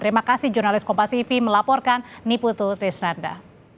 terima kasih jurnalis kompasifi melaporkan niputu trisnanda